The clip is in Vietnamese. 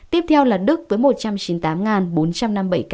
tiếp theo là đức với một trăm chín mươi tám bốn trăm năm mươi bảy ca